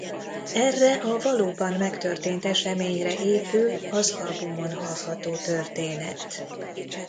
Erre a valóban megtörtént eseményre épül az albumon hallható történet.